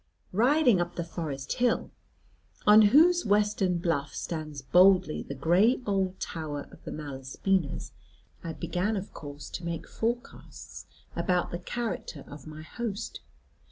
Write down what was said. Riding up the forest hill, on whose western bluff stands boldly the gray old tower of the Malaspinas, I began of course to make forecasts about the character of my host.